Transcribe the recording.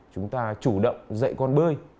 chúng ta chủ động dạy con bơi